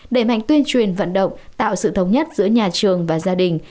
đẩy mạnh tuyên truyền vận động tạo sự thống nhất giữa nhà trường và gia đình